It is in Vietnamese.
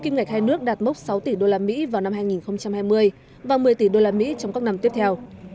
ngạch hai nước đạt mốc sáu tỷ usd vào năm hai nghìn hai mươi và một mươi tỷ usd trong các năm tiếp theo